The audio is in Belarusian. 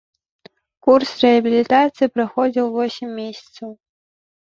Курс рэабілітацыі праходзіў восем месяцаў.